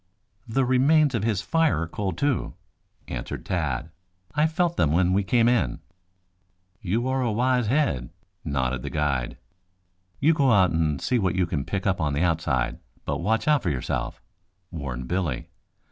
"The remains of his fire are cold, too," answered Tad. "I felt them when we came in." "You are a wise head," nodded the guide. "You go out and see what you can pick up on the outside, but watch out for yourself," warned Billy.